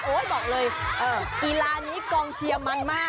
บอกเลยกีฬานี้กองเชียร์มันมาก